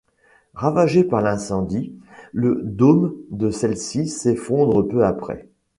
Ravagée par l'incendie, le dôme de celle-ci s'effondre peu après.